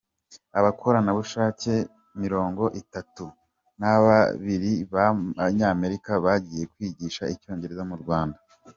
Abakoranabushake mirongo itatu nababiri b’Abanyamerika bagiye kwigisha icyongereza mu Rwanda